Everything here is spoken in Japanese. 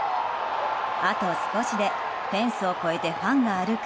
あと少しでフェンスを越えてファンが歩く